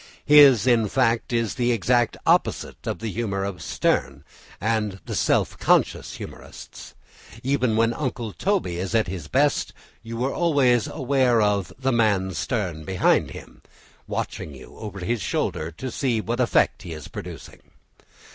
His, in fact, is the exact opposite of the humour of Sterne and the self conscious humourists. Even when Uncle Toby is at his best, you are always aware of "the man Sterne" behind him, watching you over his shoulder to see what effect he is producing.